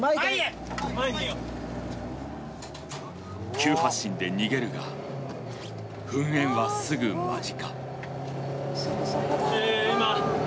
急発進で逃げるが、噴煙はすぐ間近。